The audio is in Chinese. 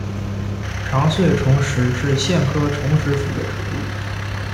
长穗虫实是苋科虫实属的植物。